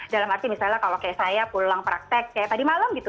dalam arti misalnya kalau kayak saya pulang praktek kayak tadi malam gitu